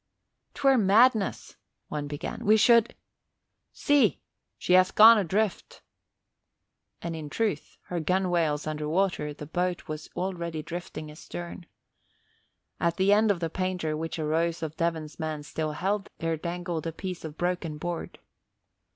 "'Twere madness," one began. "We should " "See! She hath gone adrift!" And in truth, her gunwales under water, the boat was already drifting astern. At the end of the painter, which a Rose of Devon's man still held, there dangled a piece of broken board.